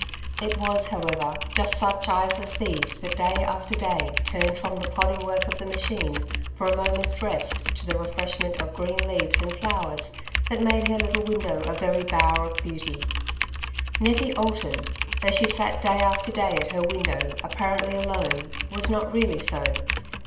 It was, however, just such eyes as these that day after day turned from the plodding work of the machine for a moment's rest to the refreshment of green leaves and flowers that made her little window a very bower of beauty. Nettie Alton, though she sat day after day at her window apparently alone, was not really so.